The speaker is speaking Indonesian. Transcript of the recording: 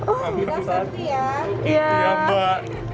oh gitu sar